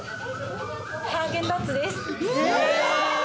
ハーゲンダッツです。